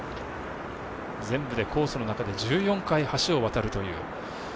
全部でコースの中で１４回、橋を渡るという。